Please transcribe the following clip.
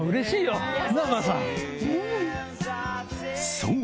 そう！